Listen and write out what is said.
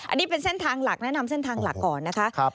อันนี้เป็นเส้นทางหลักแนะนำเส้นทางหลักก่อนนะคะ